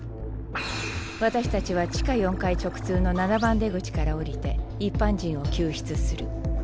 私たちは地下４階直通の７番出口から下りて一般人を救出する。